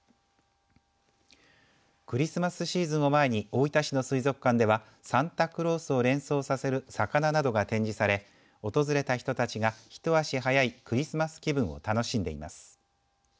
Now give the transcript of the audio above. クリスマスシーズンを前に大分市の水族館ではサンタクロースを連想させる魚などが展示され訪れた人たちが一足早いクリスマス気分を楽しんでいます。